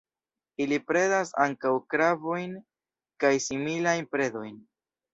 Ili predas ankaŭ krabojn kaj similajn predojn.